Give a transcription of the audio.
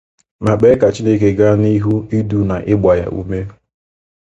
ma kpee ka Chineke gaa n'ihu idu na ịgbà ya ume.